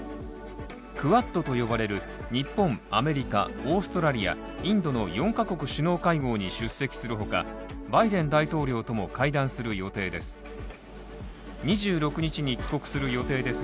クアッドと呼ばれる日本、アメリカ、オーストラリア、インドの４ヶ国首脳会合に出席するほか、バイデン大統領とも会談する予定です。